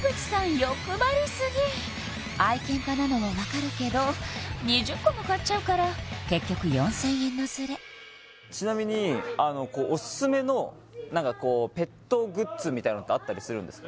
欲張りすぎ愛犬家なのは分かるけど２０個も買っちゃうから結局４０００円のズレちなみにみたいのってあったりするんですか？